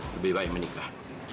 lebih baik menikah